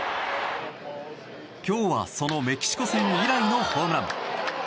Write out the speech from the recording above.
今日は、そのメキシコ戦以来のホームラン。